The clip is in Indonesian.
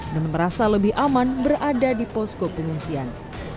dan merasa lebih aman berada di posko pengungsian